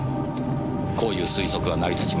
こういう推測は成り立ちませんか。